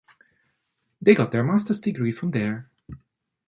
They got their master’s degree from there.